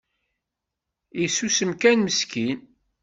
Isusem kan meskin